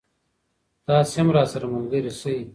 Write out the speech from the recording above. تاسې هم راسره ملګری شئ.